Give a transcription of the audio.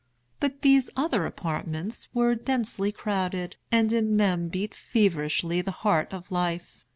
But these other apartments were densely crowded, and in them beat feverishly the heart of life.